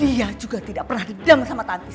dia juga tidak pernah dendam sama tanti